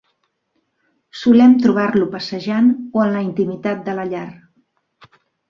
Solem trobar-lo passejant o en la intimitat de la llar.